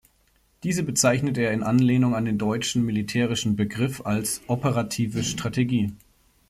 Diese bezeichnet er in Anlehnung an den deutschen militärischen Begriff als „"operative Strategie"“